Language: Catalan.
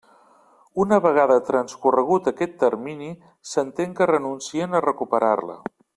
Una vegada transcorregut aquest termini s'entén que renuncien a recuperar-la.